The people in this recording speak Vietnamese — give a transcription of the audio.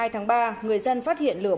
một mươi hai tháng ba người dân phát hiện lửa